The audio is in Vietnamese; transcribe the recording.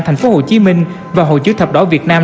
thành phố hồ chí minh và hồ chí thập đỏ việt nam